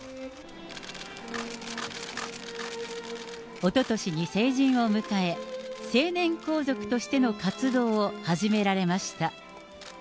おととしに成人を迎え、成年皇族としての活動を始められました。